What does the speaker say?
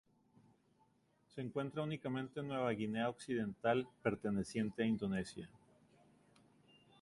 Se encuentra únicamente en Nueva Guinea Occidental, perteneciente a Indonesia.